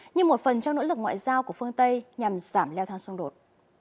như một phần trong nỗ lực ngoại giao của phương tây nhằm giảm leo thang xung đột